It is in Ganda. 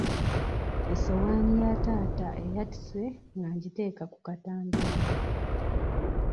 Essowaani ya taata eyatise nga ngiteeka ku katandaalo.